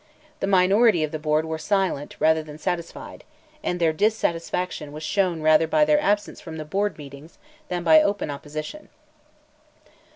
The minority of the Board were silent rather than satisfied, and their dissatisfaction was shown rather by their absence from the Board meetings than by open opposition.